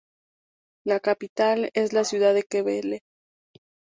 La capital es la ciudad de Qəbələ.